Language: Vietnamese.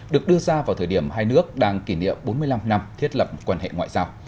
được đưa ra vào thời điểm hai nước đang kỷ niệm bốn mươi năm năm thiết lập quan hệ ngoại giao